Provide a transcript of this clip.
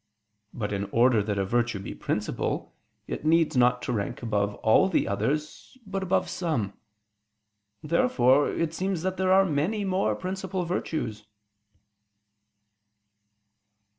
But in order that a virtue be principal, it needs not to rank above all the others, but above some. Therefore it seems that there are many more principal virtues.